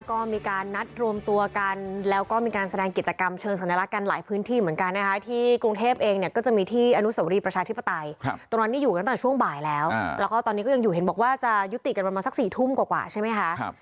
ก็มีการนัดรวมตัวกันแล้วก็มีการแสดงกิจกรรมเชิงสัญลักษณ์กันหลายพื้นที่เหมือนกันนะคะที่กรุงเทพเองเนี่ยก็จะมีที่อนุสวรีประชาธิปไตยตรงนั้นนี่อยู่กันตั้งแต่ช่วงบ่ายแล้วแล้วก็ตอนนี้ก็ยังอยู่เห็นบอกว่าจะยุติกันประมาณสัก๔ทุ่มกว่าใช่ไหมคะ